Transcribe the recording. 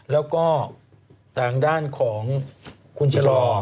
แล้วก็ต่างด้านของคุณชะลอ